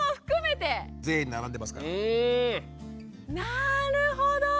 なるほど。